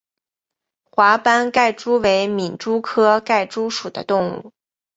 华斑盖蛛为皿蛛科盖蛛属的动物。